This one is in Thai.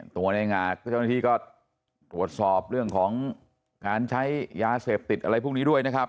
ในหงาเจ้าหน้าที่ก็ตรวจสอบเรื่องของการใช้ยาเสพติดอะไรพวกนี้ด้วยนะครับ